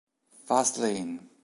Fast Lane